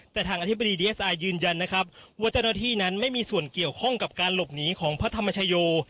แต่ทางอธิบดีดีเอสไอยืนยันนะครับว่าเจ้าหน้าที่นั้นไม่มีส่วนเกี่ยวข้องกับการหลบหนีของพระธรรมชโย